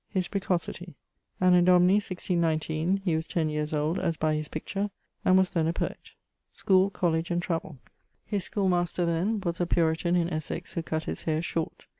] <_His precocity._> Anno Domini 1619, he was ten yeares old, as by his picture; and was then a poet. <_School, college, and travel._> His school master then was a Puritan, in Essex, who cutt his haire short.